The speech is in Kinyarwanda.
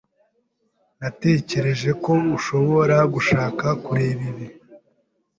Natekereje ko ushobora gushaka kureba ibi.